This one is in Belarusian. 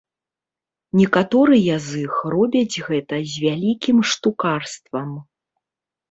Некаторыя з іх робяць гэта з вялікім штукарствам.